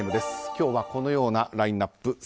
今日はこのようなラインアップ。